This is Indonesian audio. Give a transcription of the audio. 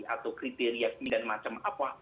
atau kriteria dan macam apa